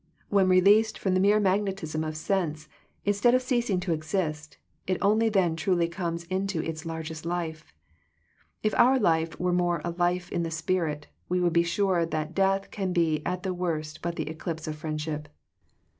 When released from the mere magnetism of sense, instead of ceasing to exist, it only then truly comes into its largest life. If our life were more a life in the spirit, we would be sure that death can be at the worst but the eclipse of friendship.